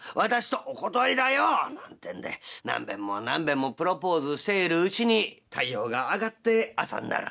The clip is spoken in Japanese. なんてんで何べんも何べんもプロポーズしているうちに太陽が上がって朝になる。